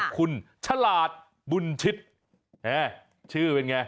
คุณฉลาดบุญชิตชื่อเป็นไง